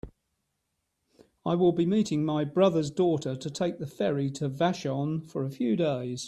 I will be meeting my brother's daughter to take the ferry to Vashon for a few days.